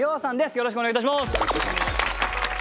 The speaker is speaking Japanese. よろしくお願いします。